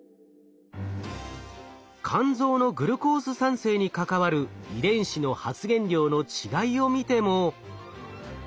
肝臓のグルコース産生に関わる遺伝子の発現量の違いを見ても。